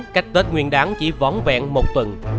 cách tết nguyên đáng chỉ vón vẹn một tuần